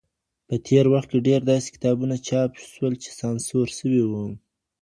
په تېر وخت کي ډېر داسې کتابونه چاپ شول چي سانسور سوي وو.